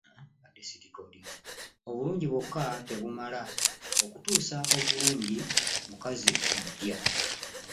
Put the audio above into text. Obulungi bwokka tebumala okutuuza obulungi omukazi mu ddya.